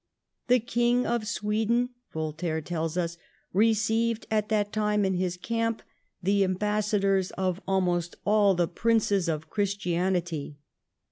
' The King of Sweden,' Voltaire tells us, ' received at that time in his camp the ambassadors of almost all the princes of Christianity.